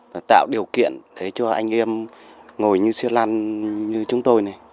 và tạo điều kiện để cho anh em ngồi như siêu lăn như chúng tôi này